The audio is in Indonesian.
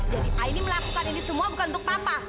jadi aini melakukan ini semua bukan untuk papa